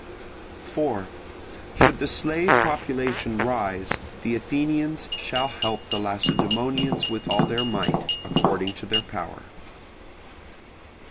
4. Should the slave population rise, the Athenians shall help the Lacedaemonians with all their might, according to their power.